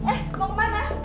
eh eh mau kemana